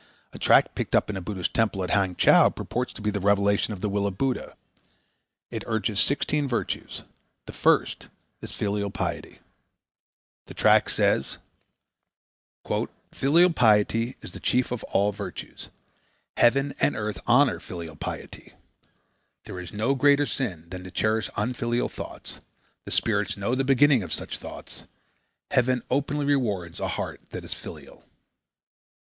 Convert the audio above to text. A tract picked up in a Buddhist temple at Hangchow purports to be the revelation of the will of Buddha. It urges sixteen virtues. The first is filial piety. The tract says: "Filial piety is the chief of all virtues. Heaven and Earth honor filial piety. There is no greater sin than to cherish unfilial thoughts. The spirits know the beginning of such thoughts. Heaven openly rewards a heart that is filial."